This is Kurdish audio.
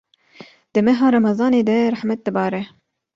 di meha Remezanê de rehmet dibare.